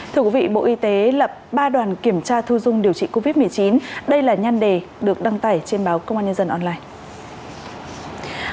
thưa quý vị bộ y tế lập ba đoàn kiểm tra thu dung điều trị covid một mươi chín đây là nhan đề được đăng tải trên báo công an nhân dân online